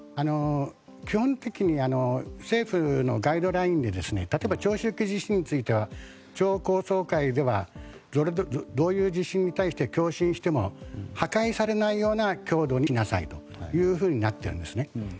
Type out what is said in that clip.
基本的に政府のガイドラインで例えば長周期地震については超高層階ではどういう地震に対して共振しても破壊されないような強度にしなさいとなっているんですね。